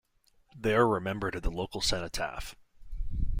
They are remembered at the local cenotaph.